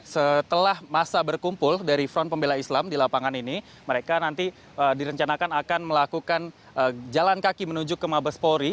setelah masa berkumpul dari front pembela islam di lapangan ini mereka nanti direncanakan akan melakukan jalan kaki menuju ke mabes polri